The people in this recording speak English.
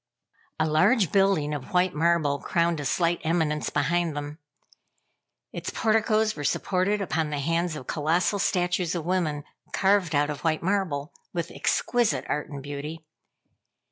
A large building of white marble crowned a slight eminence behind them. Its porticos were supported upon the hands of colossal statues of women, carved out of white marble with exquisite art and beauty.